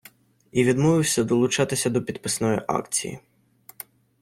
І відмовився долучатися до підписної акції.